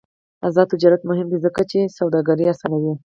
آزاد تجارت مهم دی ځکه چې سوداګري اسانوي.